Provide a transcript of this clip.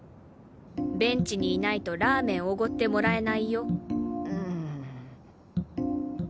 ベンチにいないとラーメンおごってもらえないよ。